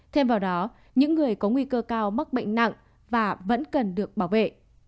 thêm vào đó những người có nguy cơ cao mắc bệnh nặng và vẫn cần được bảo vệ